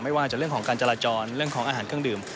ไม่ว่าจะเรื่องของการจราจรเรื่องของอาหารเครื่องดื่ม